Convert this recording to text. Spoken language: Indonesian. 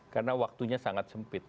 karena waktunya sangat sempit